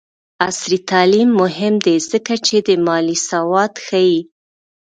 عصري تعلیم مهم دی ځکه چې د مالي سواد ښيي.